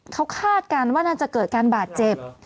เขาคาดกันว่าน่าจะเกิดการบาดเจ็บ